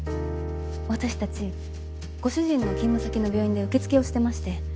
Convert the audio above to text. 私たちご主人の勤務先の病院で受付をしてまして。